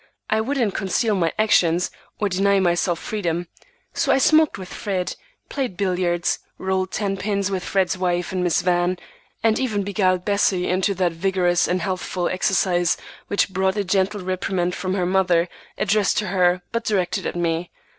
I wouldn't conceal my actions or deny myself freedom. So I smoked with Fred, played billiards, rolled ten pins with Fred's wife and Miss Van, and even beguiled Bessie into that vigorous and healthful exercise, which brought a gentle reprimand from her mother, addressed to her but directed at me.